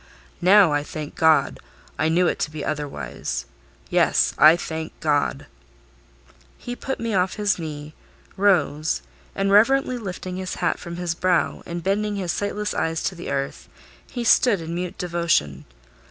Now, I thank God! I know it to be otherwise. Yes, I thank God!" He put me off his knee, rose, and reverently lifting his hat from his brow, and bending his sightless eyes to the earth, he stood in mute devotion.